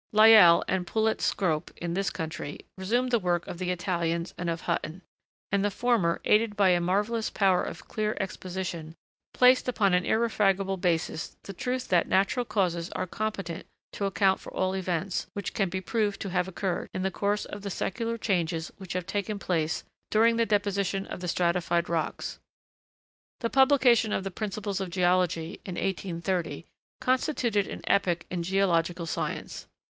Lyell and Poulett Scrope, in this country, resumed the work of the Italians and of Hutton; and the former, aided by a marvellous power of clear exposition, placed upon an irrefragable basis the truth that natural causes are competent to account for all events, which can be proved to have occurred, in the course of the secular changes which have taken place during the deposition of the stratified rocks. The publication of 'The Principles of Geology,' in 1830, constituted an epoch in geological science.